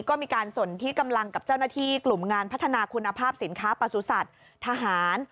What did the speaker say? ก็มีการสนที่กำลังกับเจ้าหน้าที่กลุ่มงานพัฒนาคุณภาพสินค้าประสุทธิ์ทหาร